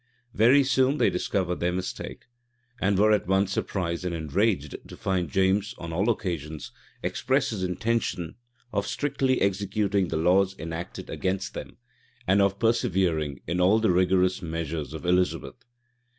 Very soon they discovered their mistake; and were at once surprised and enraged to find James on all occasions express his intention of strictly executing the laws enacted against them, and of persevering in all the rigorous measures of Elizabeth.